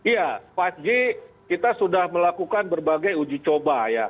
ya lima g kita sudah melakukan berbagai uji coba ya